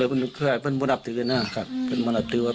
เทือสองเทือแล้วละลูกมันก็แยกมาไว้แล้วผมว่ะ